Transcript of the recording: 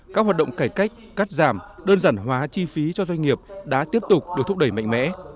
các hoạt động cải cách cắt giảm đơn giản hóa chi phí cho doanh nghiệp đã tiếp tục được thúc đẩy mạnh mẽ